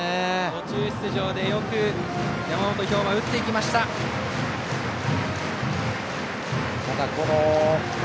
途中出場でよく山本彪真打っていきました。